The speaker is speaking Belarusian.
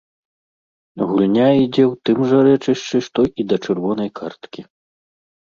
Гульня ідзе ў тым жа рэчышчы, што і да чырвонай карткі.